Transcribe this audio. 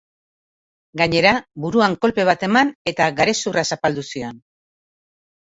Gainera, buruan kolpe bat eman eta garezurra zapaldu zion.